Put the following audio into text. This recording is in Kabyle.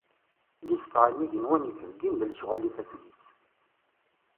Litteɛ n yigenwan ittbeyyin-d lecɣal n yifassen-is.